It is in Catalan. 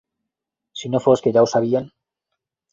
Si no fos que ja ho sabien